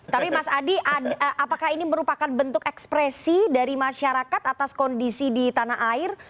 tapi mas adi apakah ini merupakan bentuk ekspresi dari masyarakat atas kondisi di tanah air